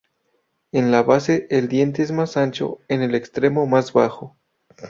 En la base el diente es más ancho en el extremo más bajo.